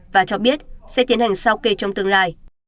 và cho biết sẽ tiến hành sao kê trong tương lai